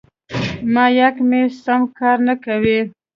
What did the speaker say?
مایک مې سم کار نه کوي.